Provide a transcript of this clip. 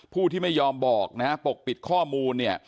ผู้ที่ไม่ยอมบอกปกปิดข้อมูล